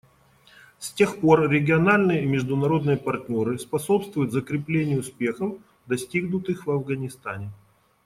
С тех пор региональные и международные партнеры способствуют закреплению успехов, достигнутых в Афганистане.